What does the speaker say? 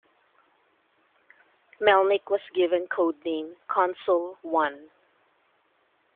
Melnik was given code name 'Consul I'.